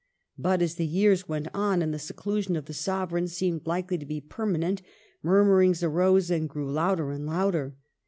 But as the years went on and the seclusion of the Sovereign seemed likely to be permanent, murmurings arose and grew louder and louder.